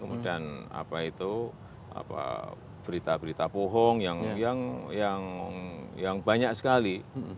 kemudian apa itu berita berita bohong yang banyak sekali